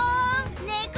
ねこ